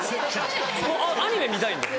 アニメ見たいんで。